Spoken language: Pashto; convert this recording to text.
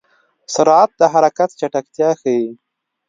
سرعت د حرکت چټکتیا ښيي.